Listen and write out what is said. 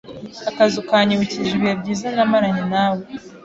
Akazu kanyibukije ibihe byiza namaranye na we.